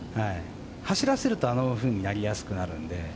走らせるとああいうふうになりやすくなるので。